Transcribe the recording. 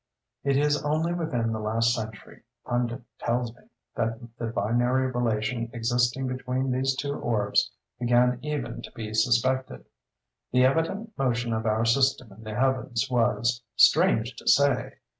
It is only within the last century, Pundit tells me, that the binary relation existing between these two orbs began even to be suspected. The evident motion of our system in the heavens was (strange to say!)